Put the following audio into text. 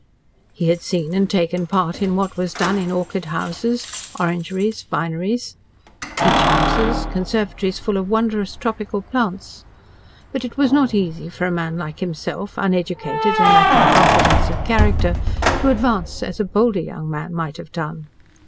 He had seen and taken part in what was done in orchid houses, orangeries, vineries, peach houses, conservatories full of wondrous tropical plants. But it was not easy for a man like himself, uneducated and lacking confidence of character, to advance as a bolder young man might have done.